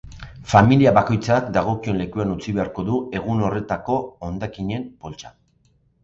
Familia bakoitzak dagokion lekuan utzi beharko du egun horretako hondakinen poltsa.